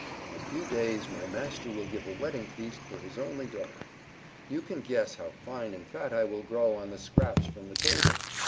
In a few days my master will give a wedding feast for his only daughter. You can guess how fine and fat I will grow on the scraps from the table.